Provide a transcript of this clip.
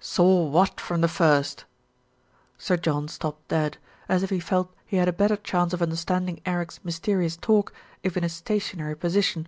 "Saw what from the first?" Sir John stopped dead, as if he felt he had a better chance of understanding Eric's mysterious talk if in a stationary position.